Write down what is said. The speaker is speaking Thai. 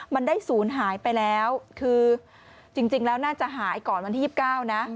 มันได้ศูนย์หายไปแล้วคือจริงแล้วน่าจะหายก่อนวันที่๒๙นะ